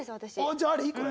じゃああり？これ。